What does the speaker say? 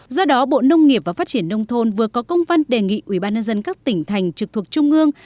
do đó bộ nông nghiệp và phát triển nông thôn vừa có công văn đề nghị ubnd các tỉnh thành trực thuộc trung ương